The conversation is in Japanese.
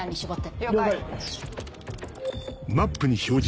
了解。